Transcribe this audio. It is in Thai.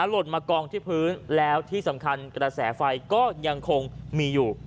หล่นมากองที่พื้นแล้วที่สำคัญกระแสไฟก็ยังคงมีอยู่